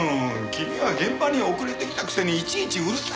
君は現場に遅れて来たくせにいちいちうるさいんだよ！